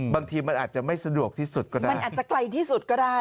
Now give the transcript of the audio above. บางทีมันอาจจะไม่สะดวกที่สุดก็ได้มันอาจจะไกลที่สุดก็ได้